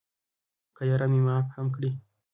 که یاران مې معاف هم کړي.